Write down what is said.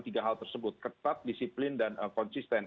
tiga hal tersebut ketat disiplin dan konsisten